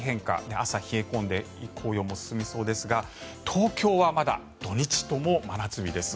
朝冷え込んで紅葉も進みそうですが東京はまだ土日とも真夏日です。